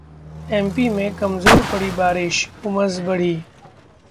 MP में कमजोर पड़ी बारिश, उमस बढ़ी